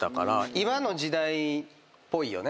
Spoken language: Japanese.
今の時代っぽいよね。